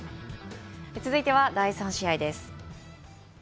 続いては第３試合です。